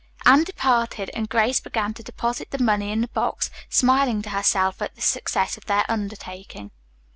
Anne departed and Grace began to deposit the money in the box, smiling to herself at the success of their undertaking.